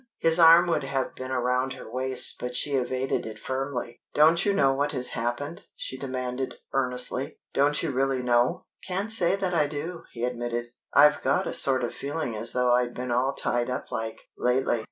His arm would have been around her waist, but she evaded it firmly. "Don't you know what has happened?" she demanded, earnestly. "Don't you really know?" "Can't say that I do," he admitted. "I've got a sort of feeling as though I'd been all tied up like, lately.